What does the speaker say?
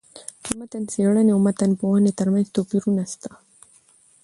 د متن څېړني او متن پوهني ترمنځ توپيرونه سته.